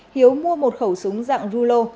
hiếu mua một khẩu súng dạng rulo